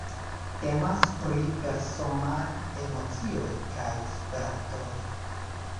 Temas pri personaj emocioj kaj spertoj.